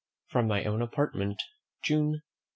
From my own Apartment, June 2.